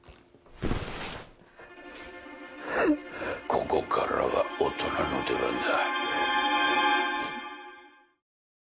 ここからは大人の出番だ。